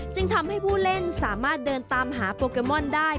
จึงทำให้ผู้เล่นสามารถเดินตามหาโปเกมอนได้